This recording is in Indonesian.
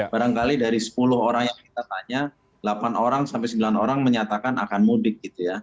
barangkali dari sepuluh orang yang kita tanya delapan sembilan orang menyatakan akan mudik